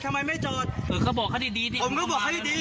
ทำไมไม่จอดเออก็บอกเขาดีดีดิผมก็บอกเขาดี